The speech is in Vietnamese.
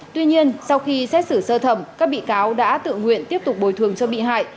tuy nhiên sau khi xét xử sơ thẩm các bị cáo đã tự nguyện tiếp tục bồi thường cho bị hại